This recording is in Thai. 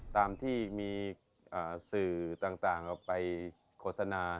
ตามที่มีสื่อต่างไปโขศนา